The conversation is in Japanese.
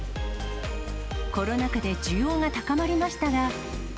コロナ禍で需要が高まりましたが。